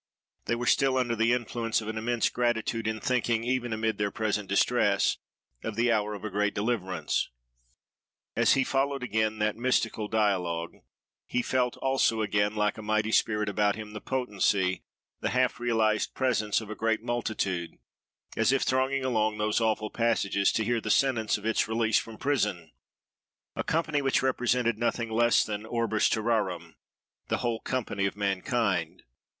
They were still under the influence of an immense gratitude in thinking, even amid their present distress, of the hour of a great deliverance. As he followed again that mystical dialogue, he felt also again, like a mighty spirit about him, the potency, the half realised presence, of a great multitude, as if thronging along those awful passages, to hear the sentence of its release from prison; a company which represented nothing less than—orbis terrarum—the whole company of mankind.